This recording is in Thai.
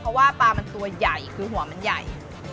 เพราะว่าปลามันตัวใหญ่คือหัวมันใหญ่